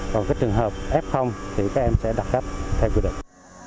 còn trường hợp f thì các em sẽ đặt cách theo quy định